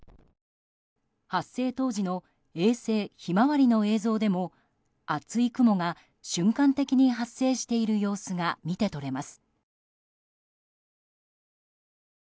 発生当時の衛星「ひまわり」の映像でも厚い雲が瞬間的に発生している様子が見て取れます。